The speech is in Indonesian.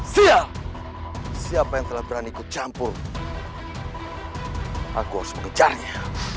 siap siapa yang telah berani kecampur aku harus mengejarnya